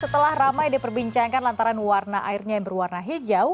setelah ramai diperbincangkan lantaran warna airnya yang berwarna hijau